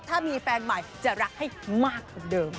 ถ้ามีแฟนใหม่จะรักให้มากกว่าเดิม